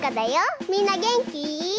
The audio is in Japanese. みんなげんき？